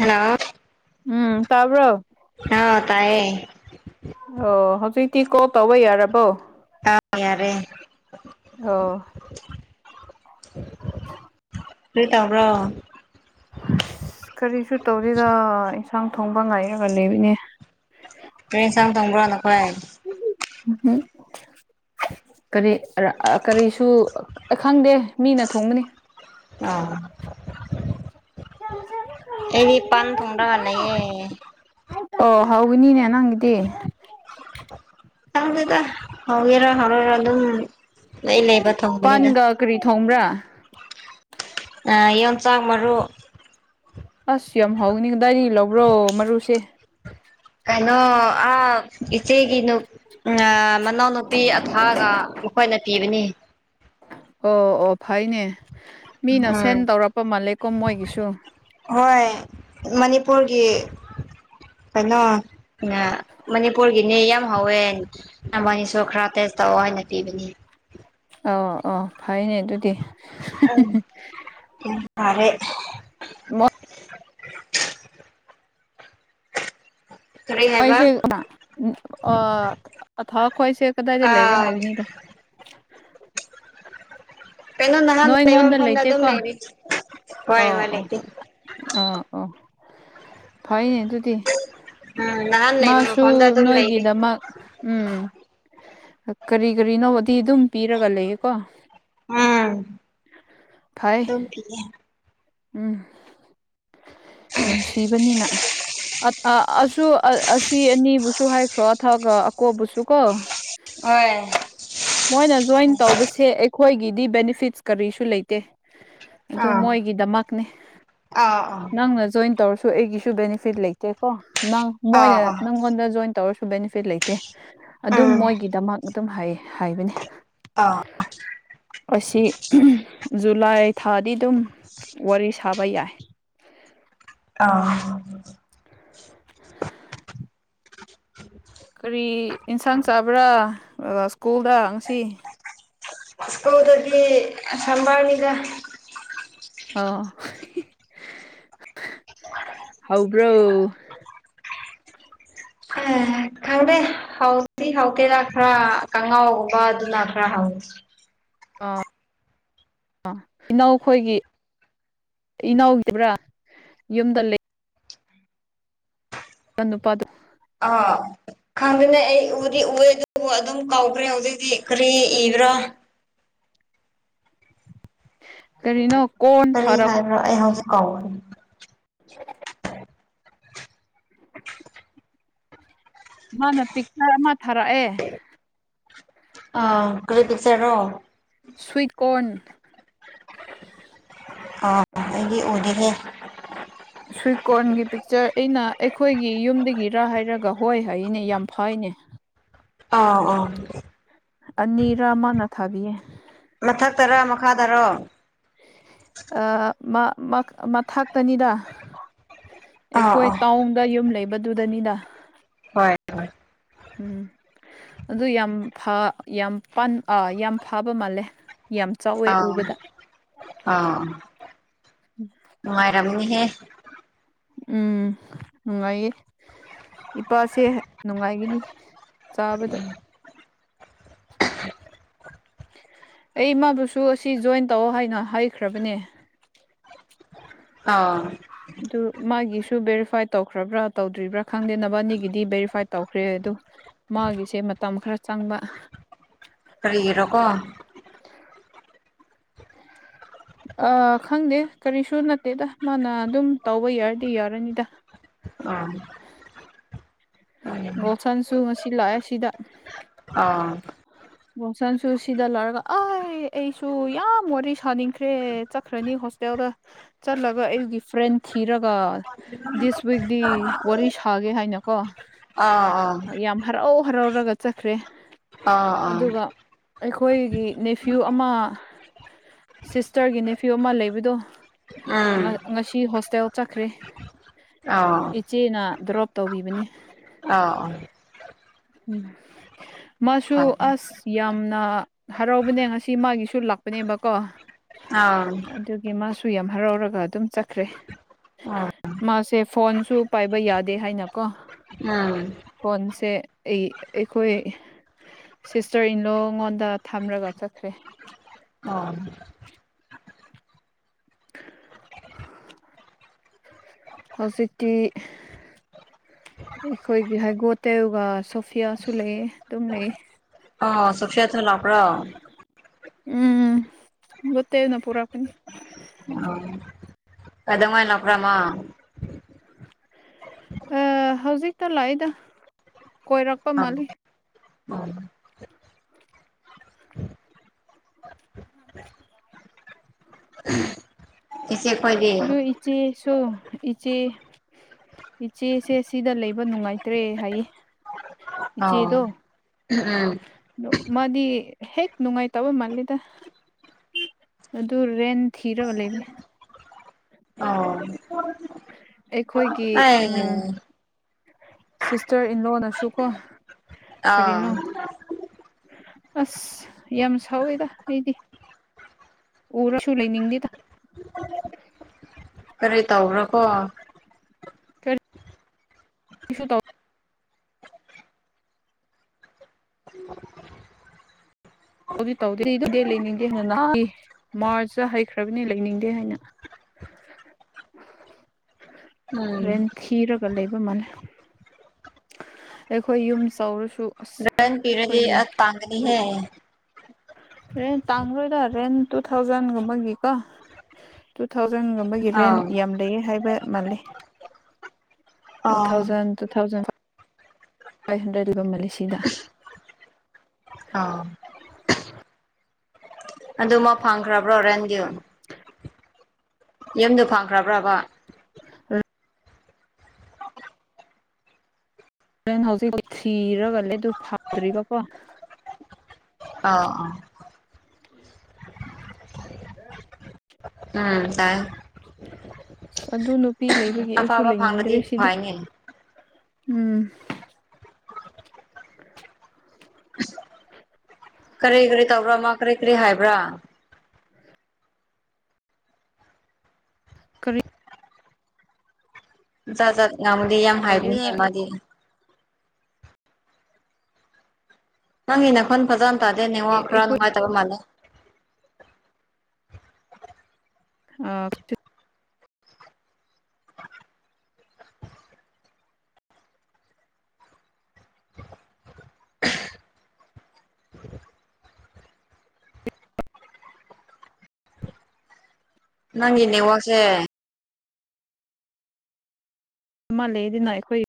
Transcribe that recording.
Hello ꯎꯝ ꯇꯕ ꯇꯌꯦ ꯑꯣ ꯍꯧꯖꯤꯛꯇꯤ ꯀꯣꯜ ꯇꯧꯕ ꯌꯥꯔꯕꯣ ꯇꯔꯔꯦ ꯑꯣ ꯀꯔꯤꯇꯕ꯭ꯔꯣ ꯑꯁ ꯀꯔꯤꯁꯨ ꯇꯧꯔꯤꯗ ꯏꯟꯁꯥꯡ ꯊꯣꯡꯕ ꯉꯥꯏꯔꯒ ꯂꯩꯕꯅꯦ ꯄꯔꯤꯦꯟ ꯁꯥ ꯇꯣꯡꯝꯕ꯭ꯔ ꯇꯈ ꯎꯝꯝ ꯀꯔꯤ ꯀꯔꯤꯁꯨ ꯈꯪꯗꯦ ꯃꯤꯅ ꯊꯣꯡꯕꯅꯤ ꯑꯣ ꯆꯁ ꯈ ꯀ ꯑꯩꯗꯤ ꯄꯥꯟ ꯁꯤ ꯊꯣꯡꯔꯒ ꯂꯩꯌꯦ ꯑꯣ ꯍꯥꯎꯅꯤꯅꯦ ꯅꯪꯗꯤꯦ ꯑꯔ ꯑꯗꯨꯝ ꯂꯩ ꯂꯩꯕ ꯊꯣꯡꯕꯅꯤꯗ ꯄꯟꯒ ꯀꯔꯤ ꯊꯣꯡ꯭ꯔꯥ ꯌꯣꯟꯆꯥꯛ ꯃꯔꯨ ꯑꯁ ꯌꯥꯝ ꯍꯥꯎꯅꯤꯡꯗꯥꯏꯗꯤ ꯂꯧꯕꯔꯣ ꯃꯔꯨꯁꯦ ꯀꯥꯏꯅꯣ ꯑ ꯏꯆ ꯑꯩꯒꯤ ꯃꯅꯥꯎꯅꯨꯄꯤ ꯑꯊꯥꯒ ꯃꯈꯣꯏꯅ ꯄꯤꯕꯅꯤ ꯑꯣ ꯑꯣ ꯐꯩꯅꯦ ꯃꯤꯅ ꯎꯝ ꯁꯦꯟ ꯇꯧꯔꯛꯄ ꯃꯥꯜꯂꯦꯀꯣ ꯃꯣꯏꯒꯤꯁꯨ ꯎꯨꯔꯒꯤ ꯀꯩꯅꯣ ꯃꯅꯤꯄꯨꯔꯒꯤꯅꯦ ꯌꯥꯝ ꯍꯧꯋꯦ ꯅꯕꯥꯅꯤ ꯁꯣꯔ ꯈꯔ ꯇꯧꯑꯣ ꯍꯥꯏꯅ ꯄꯤꯕꯅꯤ ꯑ ꯑ ꯐꯩꯅꯦ ꯑꯗꯨꯗꯤ ꯎꯝ ꯎ ꯐꯔꯦ ꯃ [unintelligible] ꯍꯥꯏꯕ ꯑꯩꯁꯦ ꯊꯕꯈ ꯑꯩꯁꯦ ꯀꯗꯥꯏꯗ ꯂꯩꯕ꯭ꯔꯥ ꯑꯥ ꯍꯥꯏꯕꯅꯤꯗ [inaudible] ꯀꯩꯅꯩꯅꯣ ꯅꯥꯟ ꯂꯩ ꯐꯝꯗꯥ ꯑꯗꯨ ꯅ ꯑ ꯑ ꯑ ꯑꯣ ꯐꯣꯏꯅꯦ ꯇꯨꯗꯤꯤ ꯎꯝ ꯅꯍꯥꯟ ꯂꯩꯕ ꯃꯥꯁꯨ ꯃꯐꯝꯗ ꯑꯗꯨꯝ ꯂꯩꯔꯤ ꯅꯣꯏꯒꯤꯗꯃꯛ ꯎꯝ ꯀꯔꯤ ꯀꯔꯤꯅꯣꯗꯤ ꯑꯗꯨꯝ ꯄꯤꯔꯒ ꯂꯩꯌꯦꯀꯣ ꯎꯝ ꯐꯩ ꯇꯦ ꯎꯝ ꯅꯨꯡꯁꯤꯕꯅꯤꯅ ꯑꯁꯤ ꯑꯅꯤꯕꯨꯁꯨ ꯍꯥꯏꯈ꯭ꯔꯣ ꯑꯊꯛꯒ ꯑꯀꯣꯕꯨꯁꯨ ꯀꯣ ꯍꯣꯏ ꯃꯣꯏꯅ ꯖꯣꯏꯟ ꯇꯧꯕꯁꯦ ꯑꯩꯈꯣꯏꯒꯤ ꯀ ꯑꯥ ꯒꯤꯗꯃꯛꯅꯦ ꯑꯥ ꯅꯪꯅ ꯖꯣꯏꯟ ꯇꯧꯔꯁꯨ ꯑꯩꯒꯤꯁꯨ ꯕꯦꯅꯤꯐꯤꯠ ꯂꯩꯇꯦꯀꯣ ꯅꯪ ꯑꯥ ꯑꯥ ꯃꯣꯏꯅ ꯑꯥ ꯅꯪꯉꯣꯟꯗ ꯖꯣꯏꯟ ꯇꯧꯔꯁꯨ ꯕꯦꯅꯤꯐꯤꯠ ꯂꯩꯇꯦ ꯑꯗꯨꯝ ꯎꯝ ꯃꯣꯏꯒꯤꯗꯃꯛ ꯑꯗꯨꯝ ꯍꯥꯏ ꯍꯥꯏꯕꯅꯤ ꯑꯥ ꯑꯁꯤ ꯖꯨꯂꯥꯏ ꯊꯥꯗꯤ ꯑꯗꯨꯝ ꯋꯥꯔꯤ ꯁꯥꯕ ꯌꯥꯏ ꯑꯥ ꯀꯔꯤ ꯏꯟꯁꯥꯡ ꯆꯥꯕ꯭ꯔꯥ ꯁ꯭ꯀꯨꯜꯗ ꯉꯁꯤ ꯁ꯭ꯀꯨꯜꯗꯒꯤ ꯁꯕꯥꯔꯅꯤꯗ ꯑ ꯍꯥꯎꯕ꯭ꯔꯣ ꯑ ꯈꯪꯗꯦ ꯍꯥꯎ ꯑꯩ ꯍꯧꯒꯦꯅ ꯈꯔ ꯀꯉꯥꯎꯒꯨꯝꯕ ꯑꯗꯨꯅ ꯈꯔ ꯍꯧꯏ ꯑꯥ ꯑ ꯏꯩꯅꯧꯈꯣꯏꯒꯤ ꯏꯅꯥꯎꯈꯤꯕ꯭ꯔꯥ ꯌꯨꯝꯗ ꯂꯩ ꯇꯣꯄꯥꯗꯨ ꯑꯥ ꯈꯪꯗꯅꯦ ꯑꯩ ꯎꯗꯤ ꯎꯦ ꯑꯗꯨꯕꯨ ꯑꯗꯨꯝ ꯀꯧꯈ꯭ꯔꯦ ꯍꯧꯖꯤꯛ ꯀꯔꯤ ꯏꯕ꯭ꯔꯣ ꯀꯔꯤꯅꯣ ꯀꯣꯟ ꯀꯔꯤ ꯊꯥꯔꯛ ꯍꯥꯏ ꯑꯩꯍꯁꯨ ꯀ ꯃꯥꯅ ꯄꯤꯛꯆꯔ ꯑꯃ ꯊꯥꯔꯛꯑꯦ ꯑ ꯀꯔꯤ ꯀꯁꯔꯣ ꯁꯨ꯭ꯏꯠꯀ꯭‌ꯣꯔꯟ ꯑꯥ ꯑꯩꯗꯤ ꯎꯗꯒꯦ ꯁ꯭ꯋꯤ ꯀ ꯀꯣꯔꯟꯒꯤ ꯄꯤꯛꯆꯔ ꯑꯩꯅ ꯑꯩꯈꯣꯏꯒꯤ ꯌꯨꯝꯗꯒꯤꯔꯥ ꯍꯥꯏꯔꯒ ꯍꯣꯏ ꯍꯥꯏꯅꯦ ꯌꯥꯝ ꯐꯩꯅꯦ ꯑ ꯑ ꯑꯅꯤꯔꯥꯃꯅ ꯊꯥꯕꯤꯌꯦ ꯃꯊꯛꯇꯔ ꯃꯈꯥꯗꯔꯣ ꯃꯊꯥꯛꯇꯅꯤꯗ ꯑꯥ ꯑꯩꯈꯣꯏ ꯑꯥ ꯇꯥꯎꯟꯗ ꯌꯨꯝ ꯂꯩꯕꯗꯨꯗꯅꯤꯅ ꯍꯣꯏ ꯍ ꯎꯝ ꯑꯗꯨ ꯌꯥꯝ ꯌꯥꯝ ꯑ ꯌꯥꯝ ꯐꯕ ꯃꯥꯜꯂꯦ ꯌꯥꯝ ꯆꯥꯎꯋꯦ ꯑꯥꯎ ꯎꯕꯗ ꯑꯥꯎ ꯃꯥꯏꯔꯝꯅꯤꯍꯦ ꯎꯝ ꯅꯨꯡꯉꯥꯏꯌꯦ ꯏꯄꯥꯁꯦ ꯅꯨꯡꯉꯥꯏꯈꯤꯅꯤ ꯆꯥꯕꯗ ꯑꯩ ꯏꯃꯥꯕꯨꯁꯨ ꯑꯁꯤ ꯖꯣꯏꯟ ꯇꯧꯑꯣ ꯍꯥꯏꯅ ꯍꯥꯏꯈ꯭ꯔꯕꯅꯦ ꯑ ꯕꯦꯔꯤꯐꯥꯏ ꯇꯧꯈ꯭ꯔꯕ꯭ꯔꯥ ꯇꯧꯗ꯭ꯔꯤꯕ꯭ꯔꯥ ꯈꯪꯗꯦꯅꯕ ꯑꯅꯤꯒꯤꯗꯤ ꯕꯦꯔꯤꯐꯥꯏ ꯇꯧꯈ꯭ꯔꯦ ꯑꯗꯨ ꯃꯥꯒꯤꯁꯦ ꯃꯇꯝ ꯈꯔ ꯆꯪꯕ ꯐꯔꯤꯔꯣꯀꯣ [unintelligible] ꯈꯪꯗꯦ ꯀꯔꯤꯁꯨ ꯅꯠꯇꯦꯗ ꯃꯥꯅ ꯑꯗꯨꯝ ꯇꯧꯕ ꯌꯥꯔꯗꯤ ꯌꯥꯔꯅꯤꯗ ꯑꯥ ꯑꯥ ꯒꯣꯁꯟꯁꯨ ꯉ ꯂꯥꯛꯑꯦ ꯁꯤꯗ ꯑꯥ ꯁꯟꯁꯨ ꯁꯤꯗ ꯂꯔꯒ ꯑꯩ ꯑꯩꯁꯨ ꯌꯥꯝ ꯋꯥꯔꯤ ꯁꯥꯅꯤꯡꯈ꯭ꯔꯦ ꯆꯠꯈ꯭ꯔꯅꯤ ꯍ ꯍꯣꯇ‌ꯦꯜꯗ ꯆꯠꯂꯒ ꯑꯩꯌꯨꯒꯤ ꯐ꯭ꯔꯦꯟ ꯊꯤꯔꯒ ꯗꯤꯁ ꯋꯤꯛ ꯋꯥꯔꯤ ꯁꯥꯕ ꯑꯒꯦ ꯍꯥꯏꯅꯀꯣ ꯑꯥ ꯑꯥ ꯌꯥꯝ ꯍꯔꯥꯎ ꯍꯔꯥꯎꯔꯒ ꯆꯠꯈ꯭ꯔꯦ꯫ ꯑꯥ ꯑꯥ ꯑꯗꯨꯒ ꯑꯩꯈꯣꯏꯒꯤ ꯅꯦꯐ꯭ꯌꯨ ꯑꯃ ꯁꯤꯁꯇꯔꯒꯤ ꯅꯦꯐ꯭ꯌꯨ ꯑꯃ ꯂꯩꯕꯗꯣ꯫ ꯎꯝ ꯉꯁꯤ ꯍꯣꯁꯇꯦꯜ ꯆꯠꯈ꯭ꯔꯦ ꯑꯥ ꯏꯆꯦꯅ ꯗ꯭ꯔꯣꯞ ꯇꯧꯕꯤꯕꯅꯤ꯫ ꯑꯥ ꯑꯥ꯫ ꯃꯥꯁꯨ ꯑꯁ ꯌꯥꯝ ꯝꯅꯥ ꯍꯔꯥꯎꯕꯅꯦ ꯉꯁꯤ ꯃꯥꯒꯤꯁꯨ ꯂꯥꯛꯄꯅꯕꯦꯀꫭ ꯑꯥ ꯑꯗꯨꯒꯤ ꯃꯥꯁꯨ ꯁꯨ ꯌꯥꯝ ꯍꯔꯥꯎꯔꯒ ꯑꯗꯨꯝ ꯆꯠꯈ꯭ꯔꯦ꯫ ꯃꯥꯁꯦ ꯐꯣꯟꯁꯨ ꯄꯥꯏꯕ ꯌꯥꯗꯦ ꯍꯥꯏꯅꯀꯣ꯫ ꯎꯝ ꯉꯁꯦ ꯑꯩ ꯑꯩꯈꯣꯏ ꯁꯤꯁꯇꯔ ꯏꯟꯂꯣ ꯉꯣꯟꯗ ꯊꯝꯂꯒ ꯆꯠꯈ꯭ꯔꯦ꯫ ꯑꯣ꯫ [unintelligible] ꯍꯧꯖꯤꯛꯇꯤ ꯑꯩꯈꯣꯏꯒꯤ ꯍꯥꯏꯒꯣ ꯇꯦꯎꯒꯥ ꯁꯣꯐꯤꯌꯥꯁꯨ ꯂꯩ ꯑꯗꯨꯝ ꯂꯩ꯫ ꯑꫭ ꯁꯣꯐ꯭ꯌꯥꯇꯨꯅ ꯂꯥꯛꯄ꯭ꯔꫭ꯫ ꯎꯝ ꯅꯠꯇꯦ ꯑꯩꯅ ꯄꯨꯔꯛ ꯑꯣ ꯀꯩꯗꯧꯉꯩ ꯂꯥꯛꯄꯔ ꯃꯥ꯫ ꯑ ꯍꯧꯖꯤꯛꯇ ꯂꯥꯛꯏꯗ ꯀꯣꯏꯔꯛꯄ ꯑꯥ ꯃꯥꯜꯂꯤ꯫ ꯑꯣ [inaudible] ꯏꯆꯦ ꯈꫭꯏꯗꯤ꯫ ꯁꯨ ꯏꯆꯦ ꯏꯆꯦꯁꯦ ꯁꯤꯗ ꯂꯩꯕ ꯅꯨꯡꯉꯥꯏꯇ꯭ꯔꯦ ꯍꯥꯏꯌꯦ ꯑꯣ ꯏꯆꯦꯗꯣ꯫ ꯎꯝ ꯑꯗꯨ ꯃꯥꯗꯤ ꯍꯦꯛ ꯅꯨꯡꯉꯥꯏ ꯇꯕ ꯃꯥꯜꯂꯤꯗ꯫ ꯑꯗꯨ ꯔꯦꯟ ꯊꯤꯔꯒ ꯂꯩꯕꯅꯦ꯫ ꯑꯣ ꯑꯈꯣꯏꯒꯤ ꯑꯩ ꯎꯝ ꯁꯤꯁꯇꯔ ꯏꯟꯂꯣꯅꯁꯨꯀꯣ ꯑꯥ ꯑꯁ ꯌꯥꯝ ꯁꯥꯎꯋꯦꯗ ꯑꯩꯗꯤ꯫ ꯎꯔꯁꯨ ꯂꯩꯅꯤꯡꯗꯦꯗ꯫ ꯀꯔꯤ ꯇꯧꯕ꯭ꯔ ꯀꯣ꯫ ꯀ ꯔꯤꯁꯨ ꯇꯧ ꯇꯧꯗꯤ ꯇꯧꯗꯦ ꯑꯩ ꯂꯩꯅꯤꯡꯗꯦ ꯍꯥꯏꯅ ꯅꯤ ꯃꯥꯔꯁꯇ ꯍꯩꯈ꯭ꯔꯕꯅꯤ ꯂꯩꯅꯤꯡꯗꯦ ꯍꯥꯏꯅ꯫ [inaudible] ꯎꯝ ꯔꯦꯟ ꯊꯤꯔꯒ ꯂꯩꯕ ꯃꯥꯜꯂꯦ꯫ ꯑꯩꯈꯣꯏ ꯌꯨꯝ ꯆꯥꯎꯔꯁꯨ ꯑꯁ ꯔꯦꯟ ꯄꯤꯔꯗꯤ ꯑꯩꯈꯣꯏꯒꯤ ꯑ ꯇꯥꯡꯒꯅꯤꯍꯦ꯫ ꯔꯦꯟ ꯇꯥꯡꯔꯣꯏꯗ ꯔꯦꯟ ꯇꯨ ꯊꯥꯎꯖꯟꯒꯨꯝꯕꯒꯤꯀꯣ ꯇꯨ ꯊꯥꯎ ꯔꯦꯟꯒꯨꯝꯕꯒꯤ ꯔꯦꯟ ꯑꯥꯎ ꯌꯥꯝ ꯂꯩꯌꯦ ꯍꯥꯏꯕ ꯃꯥꯜꯂꯤ꯫ ꯇꯨ ꯑꯣ thousand two thousand five hundred ꯂꯩꯕ ꯃꯥꯜꯂꯤ ꯁꯤꯗ꯫ ꯑꯥ ꯑꯗꯨ ꯃꯥ ꯐꯪꯈ꯭ꯔꯕ꯭ꯔꯣ ꯔꯦꯟꯗꯨ꯫ ꯌꯨꯝꯗꯣ ꯐꯪꯈ꯭ꯔꯕ꯭ꯔꯕꯥ꯫ ꯔ ꯔꯦꯟ ꯍꯧꯖꯤꯛꯐꯥꯎ ꯊꯤꯔꯒꯂ ꯑꯗꯨ ꯐꯗ꯭ꯔꯤꯔꯤꯕꯀꯣ꯫ ꯑꯥ ꯑꯥ ꯎꯝ ꯇꯥꯏ꯫ ꯑꯁ ꯑꯗꯨ ꯅꯨꯄꯤ ꯂꯩꯕꯒꯤ ꯑꯩꯁꯨ ꯑꯐꯕ ꯐꯪꯂꯗꯤ ꯂꯩꯅꯤꯡꯗ꯭ꯔꯦ ꯁꯤꯗ꯫ ꯐꯩꯅꯦ ꯎꯝ ꯀꯔꯤ ꯀꯔꯤ ꯇꯧꯕ꯭ꯔꯥ ꯃꯥ ꯀꯔꯤ ꯀꯔꯤ ꯍꯥꯏꯕ꯭ꯔꯥ ꯀꯔꯤ ꯖꯠ ꯖꯥꯠ ꯉꯕꯨꯗꯤ ꯌꯥꯝ ꯂꯩꯗꯦꯗ ꯍꯥꯏꯕꯅꯤꯍꯦ ꯃꯥꯗꯤ ꯅꯪ ꯏꯅꯈꯣꯟ ꯐꯖꯅ ꯇꯥꯗꯦ ꯅ ꯅꯤꯡꯉꯣ ꯈꯔ ꯑꯩꯈꯣꯏ ꯅꯨꯡꯉꯥꯏꯇꯕ ꯃꯥꯜꯂꯦ ꯑꯥ ꯅꯪꯒꯤꯅꯦ ꯋꯥꯁꯦ ꯑꯃ ꯂꯩ ꯑꯗꯨꯅ ꯑꯩꯈꯣꯏ